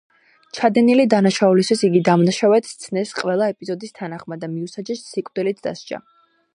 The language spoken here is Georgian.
ჩადენილი დანაშაულებისთვის იგი დამნაშავედ სცნეს ყველა ეპიზოდის თანახმად და მიუსაჯეს სიკვდილით დასჯა.